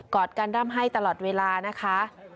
อดกันร่ำให้ตลอดเวลานะคะ